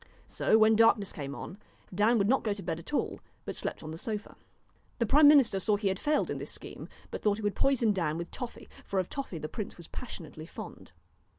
So when darkness came on, Dan would not go to bed at all, but slept on the sofa. The prime minister saw he had failed in this scheme, but thought he would poison Dan with toffee : for of toffee the prince was passionately fond.